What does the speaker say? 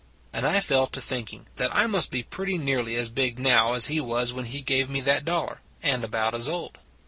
And I fell to thinking that I must be pretty nearly as big now as he was when he gave me that dollar, and about as old.